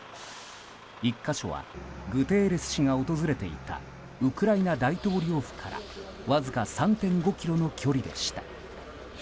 １か所はグテーレス氏が訪れていたウクライナ大統領府からわずか３．５ｋｍの距離でした。